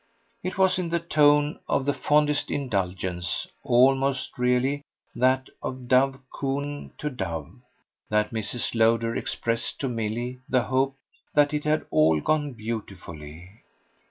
It was in the tone of the fondest indulgence almost, really, that of dove cooing to dove that Mrs. Lowder expressed to Milly the hope that it had all gone beautifully.